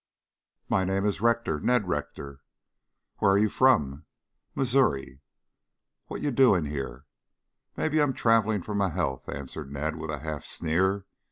"My name is Rector Ned Rector." "Where you from?" "Missouri." "What you doing here?" "Maybe I am traveling for my health," answered Ned with a half sneer.